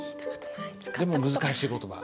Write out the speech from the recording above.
でも難しい言葉。